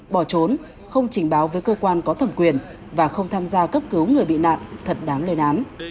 bỏ trốn không trình báo với cơ quan có thẩm quyền và không tham gia cấp cứu người bị nạn thật đáng lên án